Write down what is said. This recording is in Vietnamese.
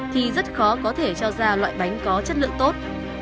thì rất khó có thể cho ra loại bánh có chất lượng tốt